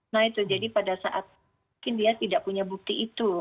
nah itu jadi pada saat mungkin dia tidak punya bukti itu